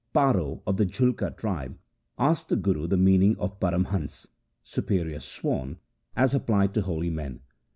Paro of the Julka tribe asked the Guru the mean ing of param hans — superior swan — as applied to holy men.